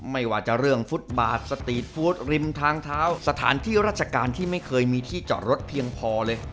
ไม่ว่าจะเรื่องฟุตบาทสตีทฟู้ดริมทางเท้าสถานที่ราชการที่ไม่เคยมีที่จอดรถเพียงพอเลย